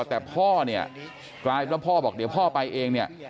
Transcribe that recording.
แต่พ่อเนี่ยกลายเป็นว่าพ่อบอกเดี๋ยวพ่อไปเองเนี่ย